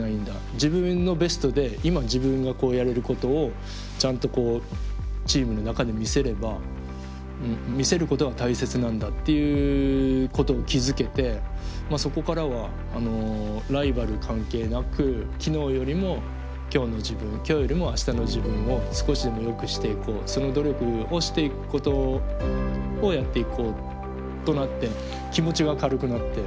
自分のベストで今自分がやれることをちゃんとチームの中で見せれば見せることが大切なんだっていうことを気付けてまあそこからはライバル関係なく昨日よりも今日の自分今日よりも明日の自分を少しでもよくしていこうその努力をしていくことをやっていこうとなって気持ちが軽くなって。